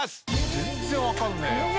全然分かんねえ。